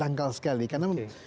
angkal sekali karena